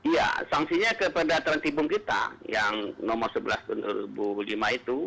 ya sanksinya kepada terhenti bom kita yang nomor sebelas itu